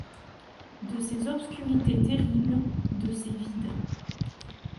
De ces obscurités terribles, de ces-vides